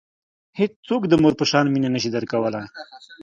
هیڅوک د مور په شان مینه نه شي درکولای.